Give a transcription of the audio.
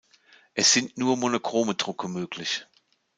Es sind nur monochrome Drucke möglich.